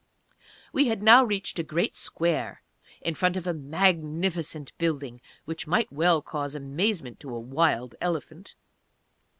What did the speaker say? We had now reached a great square in front of a magnificent building which might well cause amazement to a "wild" elephant.